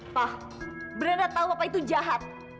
pak branda tahu apa itu jahat